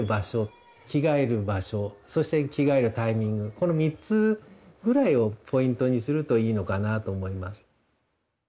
この３つぐらいをポイントにするといいのかなと思います。